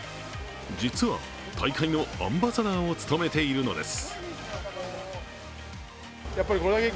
実は大会のアンバサダーを務めているのです。